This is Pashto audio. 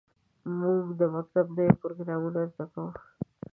موږ د مکتب نوې پروګرامونه زده کوو.